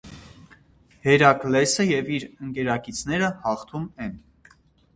Հերակլեսը և իր ընկերակիցները հաղթում են։